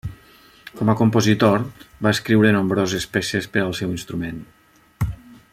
Com a compositor, va escriure nombroses peces per al seu instrument.